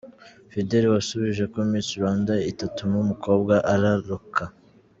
Fidela wasubije ko Miss Rwanda itatuma umukobwa araruka.